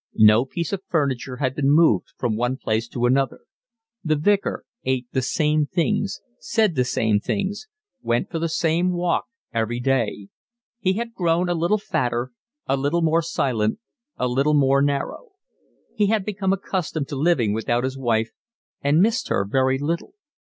No piece of furniture had been moved from one place to another; the Vicar ate the same things, said the same things, went for the same walk every day; he had grown a little fatter, a little more silent, a little more narrow. He had become accustomed to living without his wife and missed her very little.